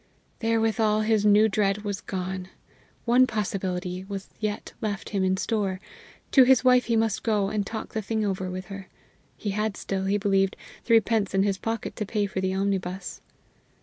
Therewithal his new dread was gone; one possibility was yet left him in store! To his wife he must go, and talk the thing over with her. He had still, he believed, threepence in his pocket to pay for the omnibus.